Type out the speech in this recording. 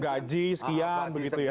gaji sekian begitu ya